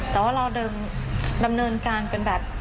แต่ว่าเราดำเนินการเป็นแบบ